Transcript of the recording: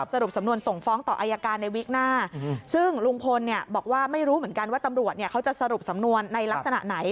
สรุปสำนวนส่งฟ้องต่ออายการในวีคหน้าซึ่งลุงพลเนี่ยบอกว่าไม่รู้เหมือนกันว่าตำรวจเขาจะสรุปสำนวนในลักษณะไหน